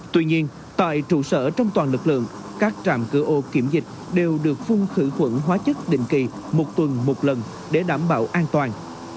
tuy nhiên tại trụ sở trong toàn lực lượng các trạm cửa ô kiểm dịch đều được phun khử khuẩn hóa chất định kỳ một tuần một lần để đảm bảo an toàn